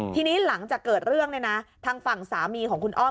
ทีนี้หลังจากเกิดเรื่องเนี่ยนะทางฝั่งสามีของคุณอ้อม